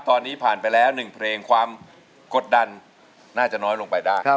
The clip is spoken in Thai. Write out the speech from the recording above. ตอนนี้ผ่านไปแล้ว๑เพลงความกดดันน่าจะน้อยลงไปได้